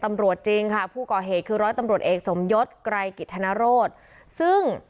มีกล้วยติดอยู่ใต้ท้องเดี๋ยวพี่ขอบคุณ